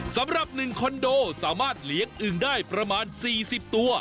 สำหรับ๑คอนโดสามารถเลี้ยงอึ่งได้ประมาณ๔๐ตัว